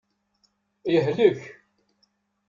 Yehlek.